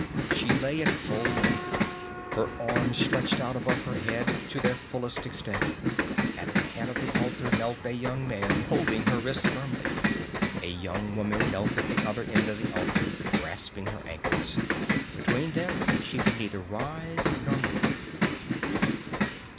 She lay at full length, her arms stretched out above her head to their fullest extent. At the head of the altar knelt a young man, holding her wrists firmly. A young woman knelt at the other end of the altar, grasping her ankles. Between them she could neither rise nor move.